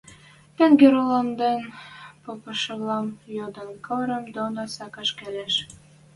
Тенге орландарен попышывлӓм йыдал керем доно сӓкӓш келеш...